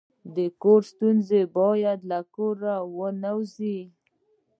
د کور ستونزه باید له کوره ونه وځي.